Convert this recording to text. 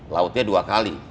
lautnya dua kali